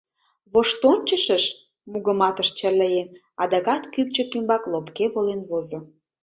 — Воштончышыш? — мугыматыш черле еҥ, адакат кӱпчык ӱмбак лопке волен возо.